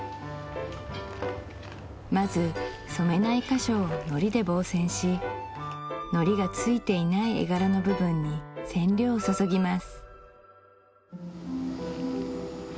まず染めない箇所をのりで防染しのりがついていない絵柄の部分に染料を注ぎます